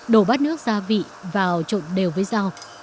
đổ bát nước gia vị vào trộn đều với rau